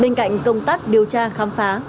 bên cạnh công tác điều tra khám phá